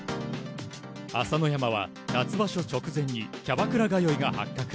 朝乃山は夏場所直前にキャバクラ通いが発覚。